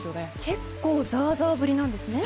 結構ザーザー降りなんですね。